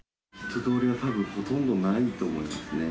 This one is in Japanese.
人通りはたぶんほとんどないと思いますね。